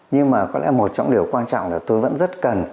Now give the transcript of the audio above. nhưng mà có lẽ một trong điều quan trọng là tôi vẫn rất cần